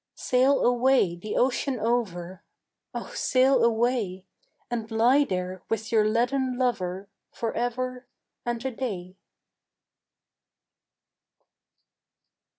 "Sail away the ocean over, Oh sail away, And lie there with your leaden lover For ever and a day."